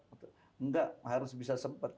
enggak harus bisa sempat